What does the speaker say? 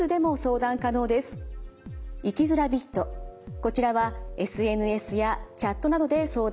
こちらはＳＮＳやチャットなどで相談が可能です。